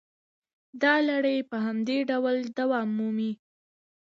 دا لړۍ په همدې ډول دوام مومي